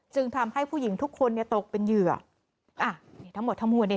ทำให้ผู้หญิงทุกคนเนี่ยตกเป็นเหยื่ออ่านี่ทั้งหมดทั้งมวลเนี่ย